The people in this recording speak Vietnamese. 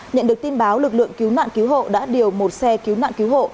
nhận được tin báo lực lượng cứu nạn cứu hộ đã điều một xe cứu nạn cứu hộ